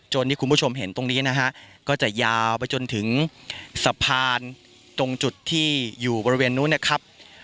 ที่คุณผู้ชมเห็นตรงนี้นะฮะก็จะยาวไปจนถึงสะพานตรงจุดที่อยู่บริเวณนู้นนะครับ